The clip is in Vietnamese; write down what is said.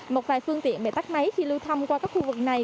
một vài phương tiện bệ tắc máy khi lưu thông qua các khu vực này